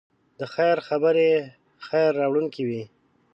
د خیر خبرې خیر راوړونکی وي.